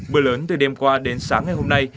bữa lớn từ đêm qua đến sáng ngày hôm nay